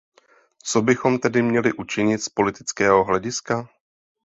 Co bychom tedy měli učinit z politického hlediska?